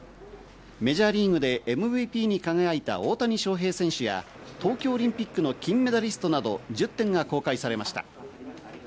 メジャーリーグでＭＶＰに輝いた大谷翔平選手や東京オリンピックの金メダリストなど、１０点が公開されました。